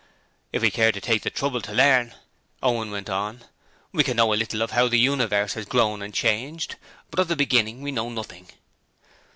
'If we care to take the trouble to learn,' Owen went on, 'we can know a little of how the universe has grown and changed; but of the beginning we know nothing.'